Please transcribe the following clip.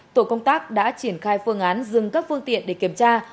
tổ công tác đã triển khai phương án dừng các phương tiện để kiểm tra